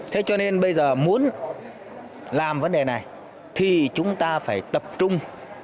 thế cho nên bây giờ muốn làm vấn đề này thì chúng ta phải tập trung